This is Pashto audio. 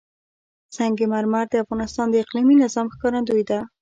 سنگ مرمر د افغانستان د اقلیمي نظام ښکارندوی ده.